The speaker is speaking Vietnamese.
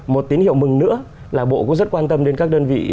một tín hiệu mừng nữa là bộ cũng rất quan tâm đến các đơn vị